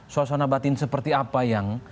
suasana batin seperti apa yang